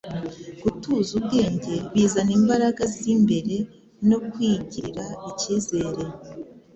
Gutuza ubwenge bizana imbaraga zimbere no kwigirira ikizere,